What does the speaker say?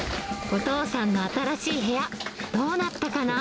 お父さんの新しい部屋、どうなったかな？